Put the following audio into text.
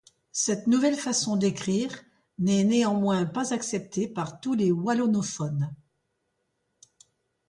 Cette nouvelle façon d'écrire n'est néanmoins pas acceptée par tous les wallonophones.